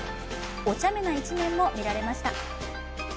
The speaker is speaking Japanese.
おちゃめな一面も見られました。